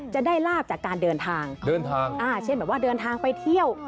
จะได้ลาบจากการเดินทางเช่นเหมือนว่าเดินทางไปเที่ยว